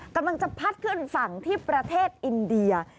กำลังจะพัดขึ้นฝั่งที่ประเทศอินเดีย